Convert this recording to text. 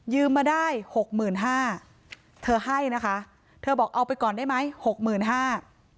มาได้หกหมื่นห้าเธอให้นะคะเธอบอกเอาไปก่อนได้ไหมหกหมื่นห้า